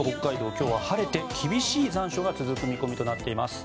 今日は晴れて厳しい残暑が続く見込みとなっています。